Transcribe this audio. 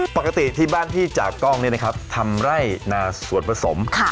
ปกติที่บ้านพี่จากกล้องเนี่ยนะครับทำไร่นาส่วนผสม